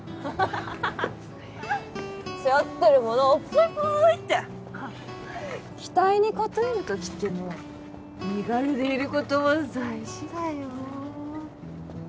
背負ってるものをポイポイって期待に応える時ってね身軽でいることも大事だよ